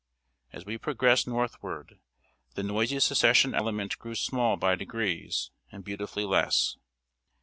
As we progressed northward, the noisy Secession element grew small by degrees, and beautifully less.